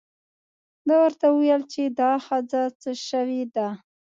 ده ورته وویل چې دا ښځه څه شوې ده.